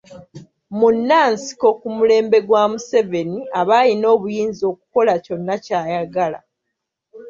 Munnansiko ku mulembe gwa Museveni aba ayina obuyinza okukola kyonna ky'ayagala.